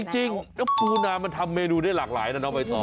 จริงแล้วปูนามันทำเมนูได้หลากหลายนะน้องใบตอ